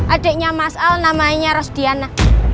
adiknya mas al namanya rosdiana